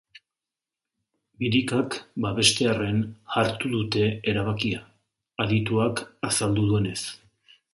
Birikak babestearren hartu dute erabakia adituak azaldu duenez.